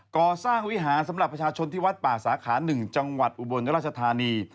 ก่อสร้างวิหารสำหรับประชาชนที่วัดป่าสาขา๑จังหวัดอุบลราชธานี